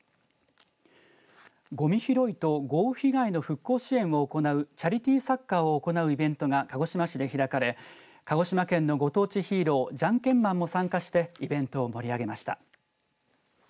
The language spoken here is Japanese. ごみ拾いと豪雨被害の復興支援を行うチャリティーサッカーを行うイベントが鹿児島市で開かれ鹿児島県のご当地ヒーロー、じゃんけんマンも参加してイベントを盛り上げました。